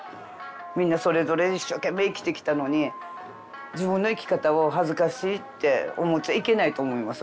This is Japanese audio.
みんなそれぞれ一生懸命生きてきたのに自分の生き方を恥ずかしいって思っちゃいけないと思います